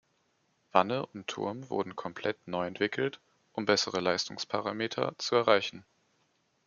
Wanne und Turm wurden komplett neu entwickelt, um bessere Leistungsparameter zu erreichen.